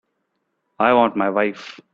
I want my wife.